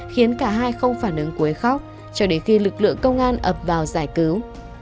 khiến cả hai không phản ứng quấy khóc cho đến khi lực lượng công an ập vào giải cứu